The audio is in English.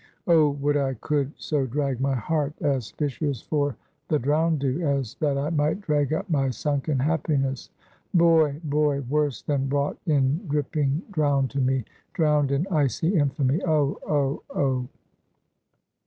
Oh would I could so drag my heart, as fishers for the drowned do, as that I might drag up my sunken happiness! Boy! boy! worse than brought in dripping drowned to me, drowned in icy infamy! Oh! oh! oh!"